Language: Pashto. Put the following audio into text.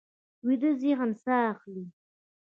ویده ذهن ساه اخلي